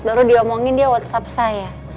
baru dia omongin dia whatsapp saya